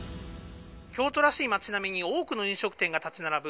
京都らしい町並みに多くの飲食店が立ち並ぶ